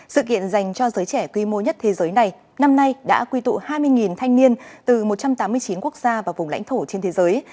sự kiện dành cho giới trẻ quy mô nhất thế giới này năm nay đã quy tụ hai mươi thanh niên từ một trăm tám mươi chín quốc gia và vùng lãnh thổ trên thế giới